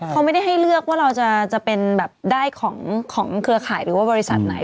เขาไม่ได้ให้เลือกว่าเราจะเป็นแบบได้ของเครือข่ายหรือว่าบริษัทไหน